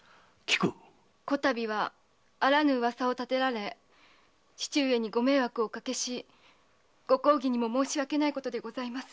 比度はあらぬ噂をたてられ父上にご迷惑をおかけしご公儀にも申し訳ないことでございます。